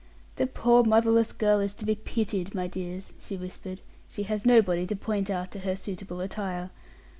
"The poor motherless girl is to be pitied, my dears," she whispered; "she has nobody to point out to her suitable attire.